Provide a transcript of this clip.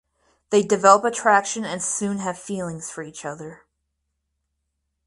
They develop attraction and soon have feelings for each other.